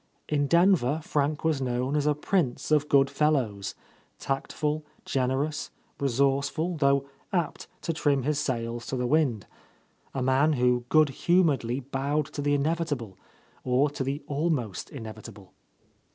In Denver Frank was known as a prince of good fellows; tactful, generous, resourceful, though apt to trim his sails to the wind; a man who good humouredly bowed to the inevitable, or to the almost inevi table.